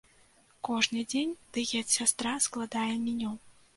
Кожны дзень дыет-сястра складае меню.